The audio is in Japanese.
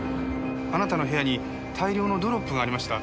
あなたの部屋に大量のドロップがありました。